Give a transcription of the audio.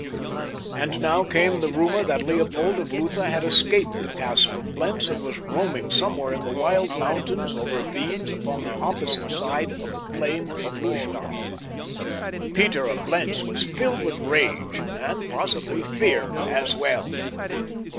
And now came the rumor that Leopold of Lutha had escaped the Castle of Blentz and was roaming somewhere in the wild mountains or ravines upon the opposite side of the plain of Lustadt. Peter of Blentz was filled with rage and, possibly, fear as well.